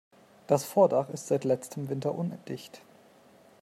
Das Vordach ist seit letztem Winter undicht.